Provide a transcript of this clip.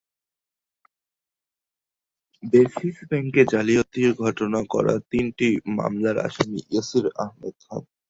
Basic ব্যাংকে জালিয়াতির ঘটনায় করা তিনটি মামলায় আসামি ইয়াসির আহমেদ খান।